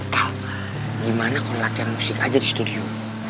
tau gimana kalau latihan musik aja di studio